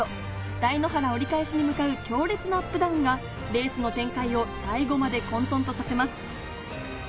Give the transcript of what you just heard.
台原折り返しに向かう強烈なアップダウンはレースの展開を最後まで混沌とさせます。